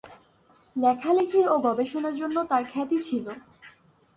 লেখালেখি ও গবেষণার জন্য তার খ্যাতি ছিল।